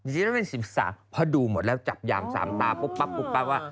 จริงน้องวาเลนไทยเป็น๑๓พอดูหมดแล้วจับยามสามตาปุ๊บปั๊บปุ๊บปั๊บว่า